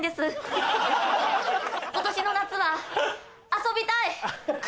今年の夏は遊びたい！